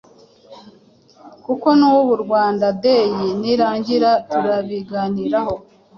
kuko n'ubu Rwanda Day nirangira turabiganiraho